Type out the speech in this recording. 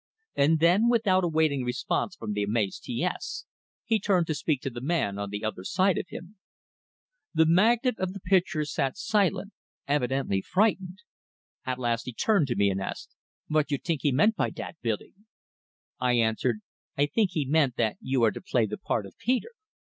And then, without awaiting response from the amazed T S, he turned to speak to the man on the other side of him. The magnate of the pictures sat silent, evidently frightened. At last he turned to me and asked, "Vot you tink he meant by dat, Billy?" I answered: "I think he meant that you are to play the part of Peter."